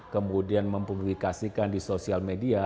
kemudian mempublikasikan di sosial media